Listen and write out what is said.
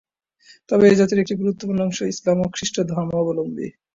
তবে এই জাতির একটি গুরুত্বপূর্ণ অংশ ইসলাম ও খ্রিষ্ট ধর্মাবলম্বী।